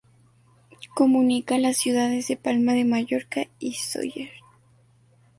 Comunica las ciudades de Palma de Mallorca y Sóller.